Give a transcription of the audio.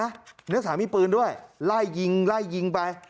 นักศึกษามีปืนด้วยไล่ยิงไล่ยิงไป